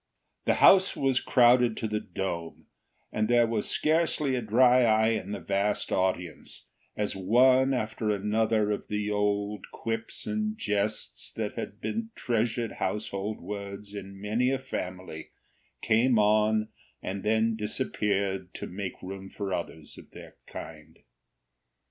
The house was crowded to the dome, and there was scarcely a dry eye in the vast audience as one after another of the old Quips and Jests that had been treasured household words in many a family came on and then disappeared to make room for others of their kind.